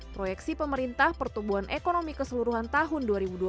proyeksi pemerintah pertumbuhan ekonomi keseluruhan tahun dua ribu dua puluh